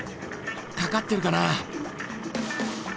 掛かってるかなぁ。